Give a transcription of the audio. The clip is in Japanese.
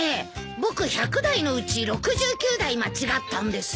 僕１００題のうち６９題間違ったんですよね。